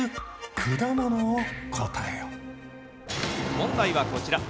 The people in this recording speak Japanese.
問題はこちら。